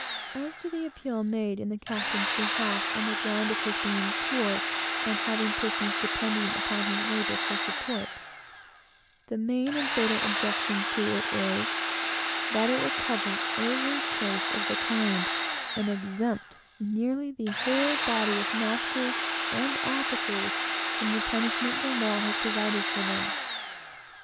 As to the appeal made in the captain's behalf on the ground of his being poor and having persons depending upon his labor for support, the main and fatal objection to it is, that it will cover every case of the kind, and exempt nearly the whole body of masters and officers from the punishment the law has provided for them.